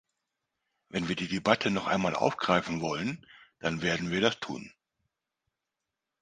Wenn wir die Debatte noch einmal aufgreifen wollen, dann werden wir das tun.